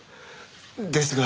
ですが。